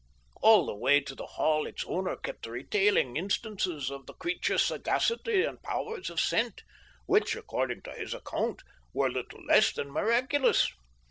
All our way to the Hall its owner kept retailing instances of the creature's sagacity and powers of scent, which, according to his account, were little less than miraculous.